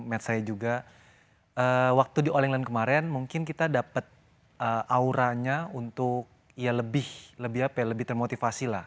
med saya juga waktu di all england kemarin mungkin kita dapat auranya untuk ya lebih termotivasi lah